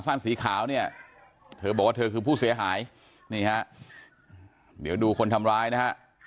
สั้นสีขาวเนี่ยเธอบอกว่าเธอคือผู้เสียหายนี่ฮะเดี๋ยวดูคนทำร้ายนะฮะ